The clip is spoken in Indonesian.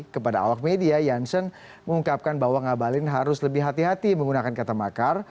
kepada awak media janssen mengungkapkan bahwa ngabalin harus lebih hati hati menggunakan kata makar